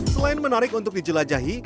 selain menarik untuk dijelajahi